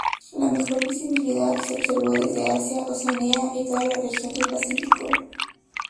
La mejor visibilidad se observó desde Asia, Oceanía Y toda la región del Pacífico.